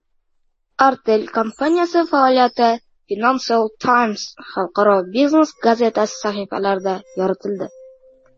Artel kompaniyasi faoliyati “Financial Times” xalqaro biznes gazetasi sahifalarida yoritildi